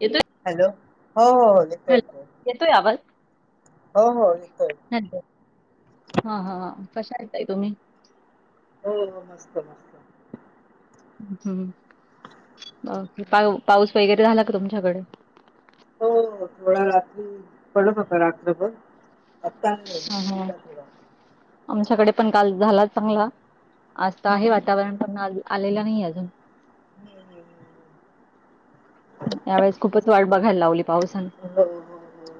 येतोय. हॅलो, हो हो हो. हॅलो, येतो येतोय आवाज. हो हो येतोय. हा हा कश्याय ताई तुम्ही? हो हो मस्त मस्त. हम्म, पाऊ पाऊस वगैरे झाला का? तुमच्याकडे. हो थोडा, रात्री पडत होता रात्रभर. आत्ता नाही. हां, हां. आमच्याकडे पण काल झाला चांगला. आता आहे हम्म हम्म वातावरण, पण आलेलं नाहीये अजून. ह् [inaudible] ह्या वेळेस, खूपच वाट बघायला लावली. पावसाने. हो, हो, हो, ते.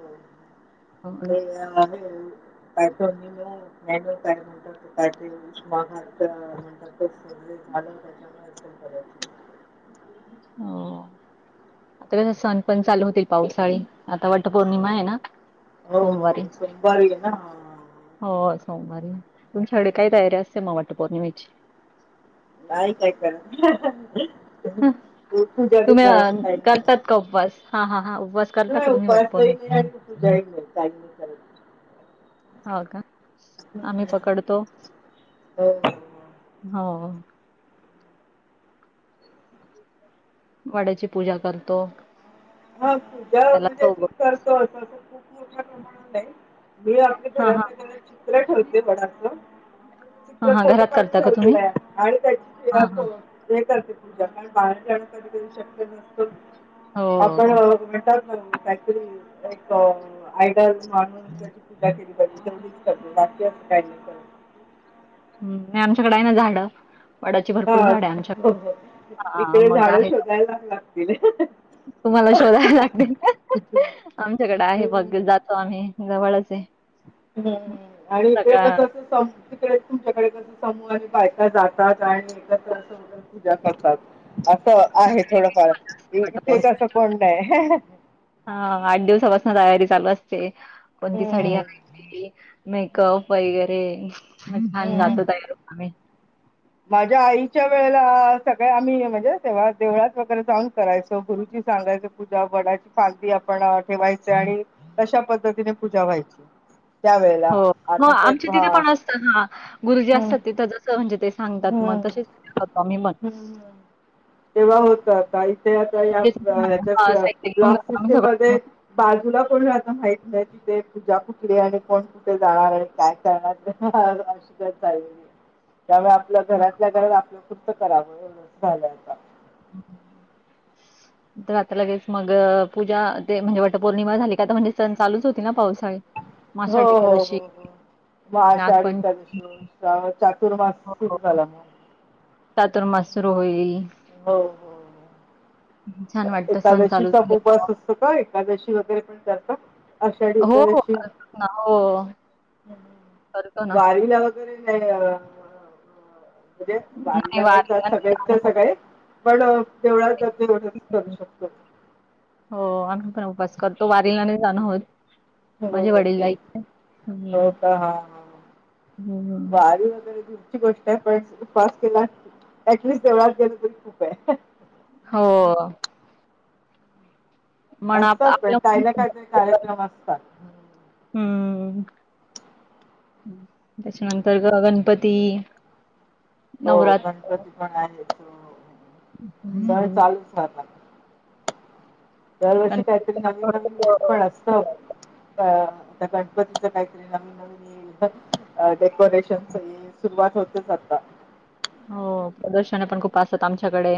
हो ना. पैस मेन [unintelligible] काय ते उष्माघात म्हणतात ते सगळ झालं, त्याच्यामुळे प कराचं. हो, आता कस, सण पण चालू होतील, पावसाळी. आता वट हो पौर्णिमाय ना, हो हो, सोमवारी. सोमवारी आहे ना हा हा, हा. हो सोमवारी, तुमच्याकडे काय तयारी हम्म असते म, वट पौर्णिमेची. नाही काय करत हं. तू पूजा तुम्ही बीजा अ असं काही नाही. करतात उपवास हा हा हा, उपवास. करता का नाही तुम्ही उपवास नाही वटपौर्णिमा? काही नाही. हो का? आम्ही पकडतो. हो हो हो. वडाची पूजा करतो. हा तूझ्या त्याला म्हणजे चव ती करतो, तस खूप मोठ्या प्रमाणात नाही. मी आपल्या हा हा घरातल्या घरात, चित्र ठेवते वडाच, ह [inaudible] त फोटो काढून ठेवलेलाय, आणि त्याची हा हा हे करते पूजा, कारण बाहेर जाणं कधीकधी शक्य नसतं. हो आपण म्हणतात ना, फॅक्टरी एक आय माणा केली पाहिजे बाकी असं का हम् नाही आमच्याकडे आहे ना झाडं वडाची हा भरपूर झाडं आहे आमच्याकडे हा इकडे मग झाड आहे ना, शोधायला लागतील तुम्हाला शोधावे लागतील आमच्याकडे आहे मग जातो आम्ही जवळचे आहे ह् आणि ते सगळा कस अस तिकडे तुमच्याकडे कस समूह आणि बायका जातात आणि एकत्र अस पूजा करतात असं आहे थोडफार क वाटप. इथेचसं कोण नाही हा आठ दिवसापासून तयारी चालू असते कोणती साडीय हम्म. मेकअप वगैरे ान नाच हम्म. जाल आ्ही माझ्या आईच्या वेळेला सगळे आम्ही म्हणजे तेव्हा देवळात वगैरे जाऊन करायचो गुरुजी सांगाय पूजा वडाची फांलदी आपण ठेवायचे आणि अश्या पद्धतीने पूजा व्हायची त्यावेेळेला हो मग आता ते आमच्या तिथे हा पण असत हा गुरुजी हम्म असतात तिथं जसं म्हणजे ते सांगतात मग हम्म तसेचतो मीण हम्म. तेव्हा होत आता इथे आता या तेच हां, ह्याच्या साहित्य घेऊन ब्लॉक जातो आम्ही सिस्टीम सगळं मध्ये बाजूला कोणी आता माहित नाही कि ते पूजा कुठली आणि कोण कुठे जाणार आणि काय करणार ह अशी त्यामुळे आपल्या घरातल्या घरात आपलं कुर्त करावं झालं हम् तर आता लगेच मग पूजा ते म्हणजे वटपौर्णिमा झाली का आता म्हणजे सण चालूच होती ना पावसाळी मग हो आषाढी हो हो एकादशी, हो मग नागपंचमी आषाढश चातुर्मास सुरू झाला मग चातुर्माास सुरू होईल हो हो. छान वाटतं सण चालू एकादशीचा झाले ब का बस असतो का एकादशी वगैरे पण जातात अशा मग हो, हो. ठिकाणीशी करतो ना. हो, करतो ना. वारी लाव वगैरे नाही म्हणजे वालीला नाही वारीला जात सगळे जाणं होत. सगळे पण तेवढा ज एवढंच करू शकतो हो आम्ही पण उपास करतो वारीलाने जाण आहोत हो हो हं, का हा ह हं. बाारी वगैरेची गोष्ट आहे पण उपवास केला ऍटलिस्ट देवळात गेल तरी खूप आहे हो मन आप असतात पण आपलं काही ना काय का कार्यक्रम असतात हम्म त्याच्यानंतर ग गणपती हो नवरात्र गणपती पण आहे सण हम्म. चालूच राात दरवर्षी काहीतरी नवीन नवीन य पण असत त्या गणपतीच काहीतरी नवीन नवीन डेकोरेशन सुरुवात होतेच आता हो प्रदर्शन पण खूप असत आमच्याकडे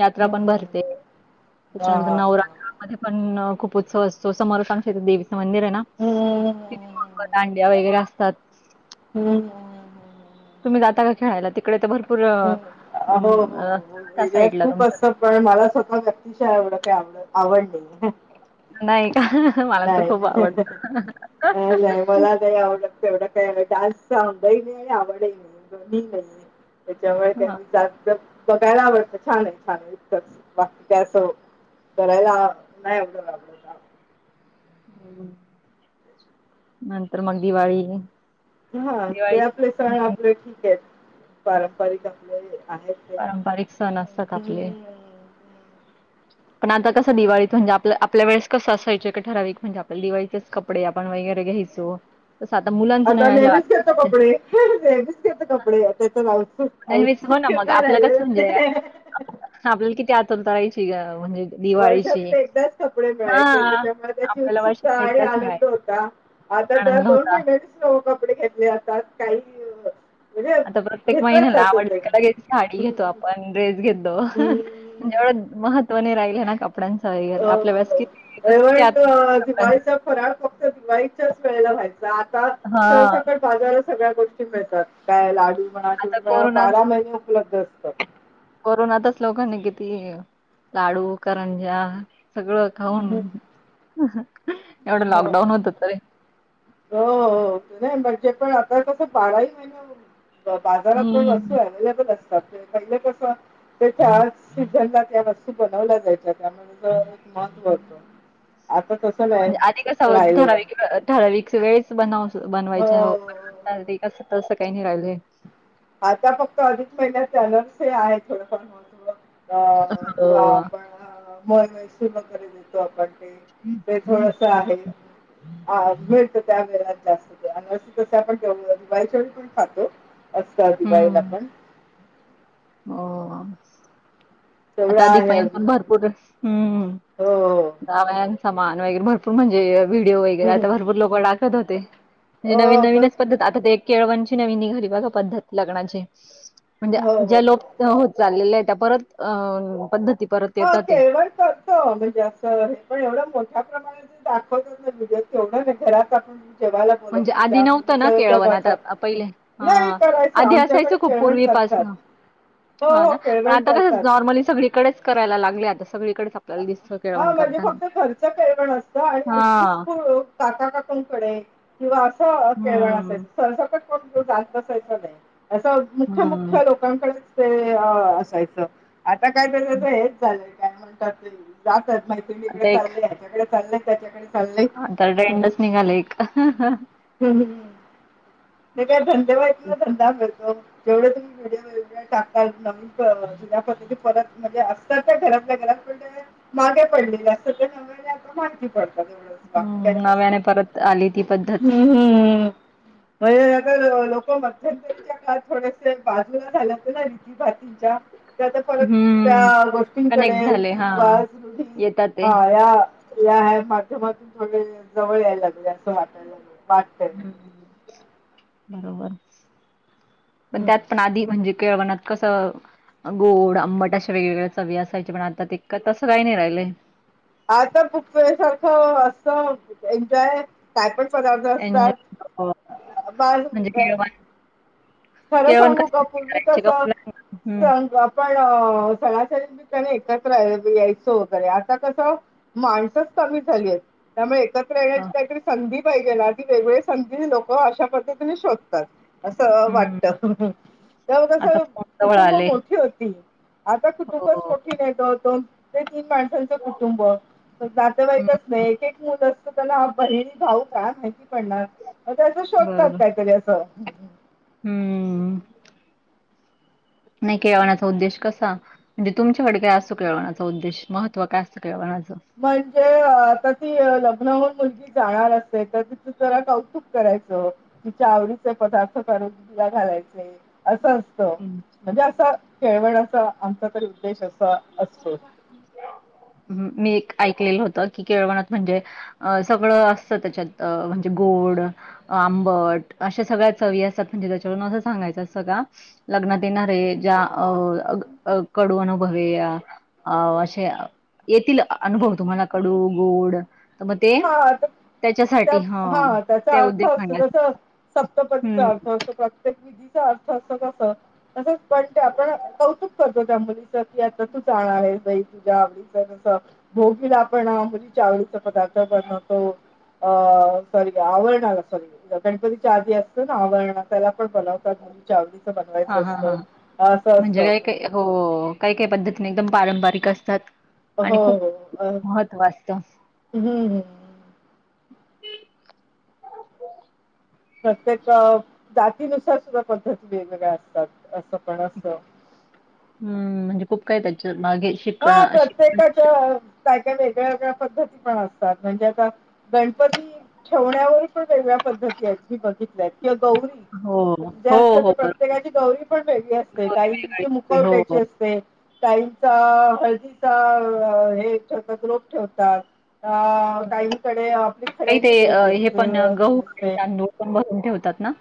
यात्रा पण हम्म भरते हा त्याच्यानंतर हा नवरात मध्ये पण खूप उत्सव असतो असं मला सांगत देवीचं मंदिर आहे ना हम् ि अंड्या वगैरे असतात हम्म तुम्ही जाता का खेळायला तिकडे तर भरपूर हम्म हो हो हो हो. त्या एरियात साईडला खूप तुमच्याक असतं पण मला स्वतः व्यक्तिशा एवढं काही आवड आवड नाहीये नाही का मला तर नाही खूप नाही आवडत नाही नाही मला काही आवडत एवढं [unintelligible] त्याच्यामुळे हा त्यांनी जात बघायला आवडतं छान आहे छान इतकंच बाकी काय असं करायला नाही एवढं आव नंतर मग दिवाळी हा ते आपले दिवाळी सण आपले ठीक आहेत पारंपरिक आपले आहेत. ते. पारंपरिक सण असतात आपले पण आता कसं दिवाळीत म्हणजे आपल्या वळेस कस असायचं का ठराविक म्हणजे आपण दिवाळीचेच कप कपडे आपण वगैरे घ्यायचो तस आता मुलांच नाही राहि कस कपडे. रच घेत कपडे त्याच्या जाऊ नेहमीच हो ना मग आपल्या कसं म्हणजे आपल्याला किती आतलता रायची ग म्हणजे दिवाळीची वर्षातून एकदाच कपडे मिळायचे हा. त्याच्यामुळे त्याची आपल्याला उत्सुकता वर्षातून आणि एकदाच आनंद मिळायचा होता. आता तर आनंद दोन होता. महिन्याचेच लो कपडे घेतले जातात काही म्हणजे आता प्रत्येक घेतलंच महिन्याला जात ते आवडते त्यालाे साडी घेतो आपण ड्रेस घेतो. एवढं महत्त्वने राहिल ना कप अ आतुरता होती कपड्यांना दिवाळीचा फराळ फक्त दिवाळी वे व्हाय आता हा सर सकट बाजारात सगळ्या गोष्टी मिळतात काय लाडू मनाठे आता कोरोनात बारा महिने उपलब्ध असतात. कोरोनातच लोकांनी किती लाडू करंज्या सगळं होन हो एवढं लॉकडाऊन होत तरी. हो नाही म्हणजे पण आता कसं बाराही महीने बाजारात पण वस्तू हम्म. अव्हेलेबल असतात पहिले कस तर त्या सीझनला त्या वस्तू बनवल्या जायच्या त्यामुळे एक महत्वत होत. [inaudible] आता कसला आहे. सगळ ठराविक ठधराविक वेळेच बनव हो बनवायच्या चा कसं तसं काही नाही राहिलंय. आता फक्त अधिक महिन्यात चॅलनस आहे थोडंफार म्हणून अ किंवा हो. आपण म सुर कर देतो आपण ते ते थोडस आहे. ह मिळत त्या वेळे जास्त आणि तस आपण ठेव बाईच्यावळी पण खातो असत दिवाळी हम्म. पण हो. तेवढं आता अधिक आहे महिना अजून पण भरपूर हम्म. हो दाव्यान सामान वगैरे भरपूर म्हणजे व्हिडिओ वगैरे आता भरपूर लक टाकत होते अ, म्हण नवीन मग नवीनच पद्ध आता ते एक केळवणची नवीनी घरी बघा पद्धत लग्नाची म्हणजे हो हो चाल हो आहे त्या परत पद्धती परत हा येतात ते. केेळवण क म्हणजे असं हे पण एवढं मोठ्या प्रमाात दाखवतडिओ तेवढं ना घरात आपण जेवाला म्हणजे बोलवतो आधी ज्या नव्हतं ना मुलीच केळवण तेबाच आता आ- नाही करायचं आमच्याकडे खुप केळवण पुर्वी करतात पासन हो हो होना पण केळवण आता कस करतात नॉर्मली सगळीकडे कराय लागले आता सगळीकडे. हा म्हणजे फक्त घरचं प पण असतं आणि हा अगदीचू काका काकूंकडे किंवा असं केळवण असायच. हम्म सरसकट कोण त अससायच नाही अस मुख्य मुख्य हम्म लोक लोकांकडेच ते असायचं आता काय त तर हेच झालंय काय म्हण लात जातच मैत्रिणीकडे आता चालय ह्याच्याकडे चाललंय त्याच्याकडे चालले तर रेडच निघाले एक ह ते काय धंदेवाहा कला धंदा करतो जेवढे तुम्ही व्हिडिओ टाकतात नवीन ज्या पद्धती परत म्हणजे असतात त्या घरातल्या घरात मागे पडलेले असत ते न आ माहिती पडत तेवढं बाकी हम्म काय नव्याने परत आली ती पद्धत. हम्म हम्म म्हणजे अगर लोक मध्यंतरीच्या काळात थोडेसे बाजूला झाले नाही भातींच्या त्या फ त्या हम्म. गोष्टंकडे कनेक्ट झाले. [inaudible] हां. येतात ते. या ह्या माध्यमातून थोडे जवळ यायला लागले असं वाटायला लागल बरोबर पण हम्म. त्यात पण आधी म्हणजे केळवणत कसं गोड आंबट अशा वेगवेगळ्या चवी असायचे पण आता ततका तसं काही नाही राहिलेय आता खूप सारखं असतं एन्जॉय काय पण पदार्थ एन्जॉय असतात बाल म्हणजे केळवण खरं केळवण सांगू का कशासाठी पूर्वी करायचे कस का मुलांना? हं. सग आपण सणासरी मी त्यांने एकत्र यायचो वगैरे आता कसं माणसच कमी झाली आहेत त्यामुळे त हां. येण्याची काहीतरी संधी पाहिजे ना ती वेग संधी लोक अशा पद्धतीने शोधतात असं हं. वाटत आता त्यामुळे फोन जवळ कुटुंब आले. मोठी होती आता हो. कुटुंबच येत ते तीन माणसांचं कुटुंब हं. जातवाईकच नाही एक एक मुल असत ना बहिणी भाऊ का माहिती पडणार म त्याचा शॉक काात बरोबर. काहीतरी असं हम्म नाही खेळवण्याचा उद्देश कसा म्हणजे तुमच्याकडे काय असतो केळवणाचा उद्देश महत्व काय असतं केळवणाचं म्हणजे आता ती लग्न होऊन मुलगी जाणार असे तर तिथं जरा कौतुक करायचं तिच्या आवडीचे पदार्थ करून तिला घालायचे असं म्हणजे असा खेळवण्याचा आमचा तरी उद्देश असतो ह मी एक ऐकलेलं होत की केळवणत म्हणजे अ सगळं असतं त्याच्यात म्हणजे गोड आंबट अशा सगळ्या चवी असतात म्हणजे त्याच्याकडून असं सांगायचं असतं का लग्नात येणार आहे ज्या अ कडू अनुभवे या अ असे येतील अनुभव तुम्हाला कडू गोड तर मग ते हा आता त्याच्यासाठी त्या हा ते त्याचा अर्थ उद्देश असतो म्हण्यासाठी जसं सप्तपदीचा अर्थ असतो प्रत्येक विधीचा अर्थ असतो तस तसच पण ते आपण कौतुक करतो त्या मुलीच की आता तू चाणार आहे सई तुझ्या आवडीच तस भोगीला आपण मुली चावळीचा पदार्थ बनवतो अ सरी आववरण आला सरी गणपतीच्या आधी असतं ना आवरण त्याला पण बनवतात म्हण चावलीच बनवायच हां, हां, असत हां. असं असत म्हणजे काही काही पद्धतीने एकदम पारंपरिक असतात हो आणि खूप महत्त्व असतं हम् हम प्रत्येक जातीनुसार सुद्धा पद्धती वेगवेगळ्या असतात असं पण असं ह्म म्हणजे खूप काय त्याच मागे हो शिकणं शिकण प्रत्येकाात काय काय वेगळ्या वेगळ्या पद्धती पण असतात म्हणजे आता गणपती ठेवण्यावर पण वेगळ्या पद्धती आहेत जी बघितल्या आहेत किंवा गौरी हो, जे हो, असते हो, ते बरोबर प्रत्येकाची गौरी पण वेगळी असते गौरी वेगळी काहीची असते. मुखव हो, त्या्याची हो. असते ताईचा हळदीचा हे ठेवतात गोप ठेवतात अ हं. काहीकडे आपली काही ते खड्याची अ, देवी अस हे पण अ, गहू आणि नसते तांदूळ पण बसून ठेवतात ना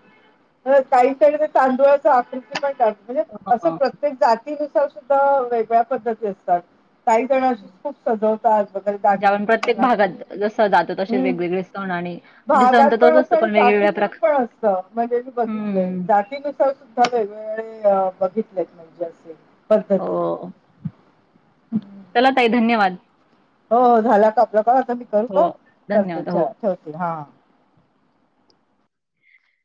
काही स तांदुळाच आकर्षण पण करत म्हणजे असं हां, प्रत्य प्रत्येक जातीनुसार सुद्धा वेगळ्या पद्धती असतात. काही जण अच खूप सजवतात आज, वगैरे दागिने ज्यावेळी बगिने प्रत्येक घालून भागात जसं जातो तसे हम्म. वेगवेगळे सण आणि म्हणजे सण भागात तर पण तोच असतं असतो आणि वेगवेगळ्या जातीनरूप प्रकार पण असत. म्हणजे मी बघित हं, जातीनुसार सुद्धा वेगवेगळे बघितलेत म्हणजे असे पद्धती हो हम्म. चला तई धन्यवाद हो झाला का आपलं का आता मी करू का हो, करते धन्यवाद. हो. ठेवते हा